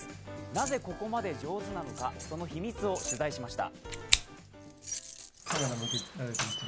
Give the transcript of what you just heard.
なぜここまで上手なのか、その秘密を取材しました。